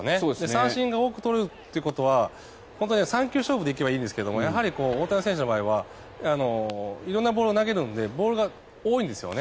三振を多く取るということは３球勝負でいけばいいんですけどやはり大谷選手の場合は色んなボールを投げるのでボールが多いんですよね。